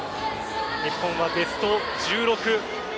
日本はベスト１６。